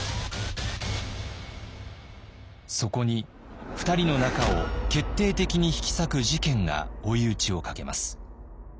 そこに２人の仲を決定的に引き裂く事件が追い打ちをかけます。